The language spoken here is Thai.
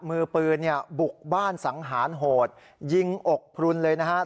มือปืนเนี่ยบุกบ้านสังหารโหดยิงอกพลุนเลยนะครับ